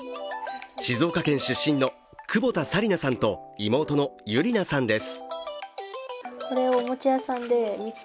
静岡県出身の久保田紗里奈さんと妹の優里奈さんです。